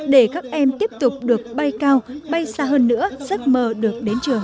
để các em tiếp tục được bay cao bay xa hơn nữa giấc mơ được đến trường